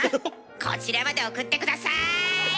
こちらまで送って下さい。